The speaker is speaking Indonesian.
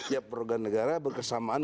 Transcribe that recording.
ya warga negara berkesamaan